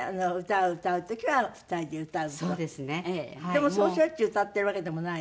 でもそうしょっちゅう歌ってるわけでもないの？